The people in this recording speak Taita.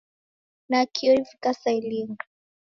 Nakio ivika saa ilinga